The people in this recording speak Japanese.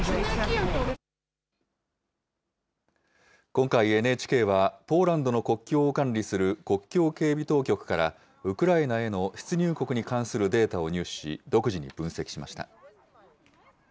今回、ＮＨＫはポーランドの国境を管理する国境警備当局からウクライナへの出入国に関するデータを入手し、独自に分析しました。